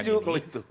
ya ya setuju